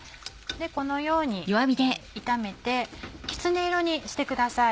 このように炒めてきつね色にしてください。